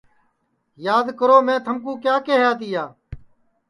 یاد کرو میں تھمکُو کیا کیہیا تیا